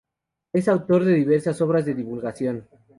Es autor de diversas obras de divulgación.